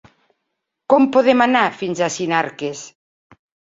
Com podem anar fins a Sinarques?